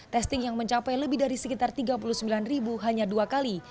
testing yang mencapai lebih dari sekitar tiga puluh sembilan ribu hanya dua kali